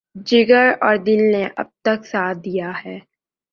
جگر اور دل نے اب تک ساتھ دیا ہے۔